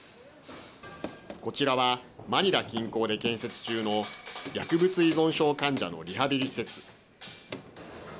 こちらは、マニラ近郊で建設中の薬物依存症患者のリハビリ施設。